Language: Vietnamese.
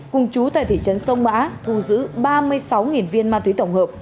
cùng chú tại thị trấn sông mã thu giữ ba mươi sáu viên ma túy tổng hợp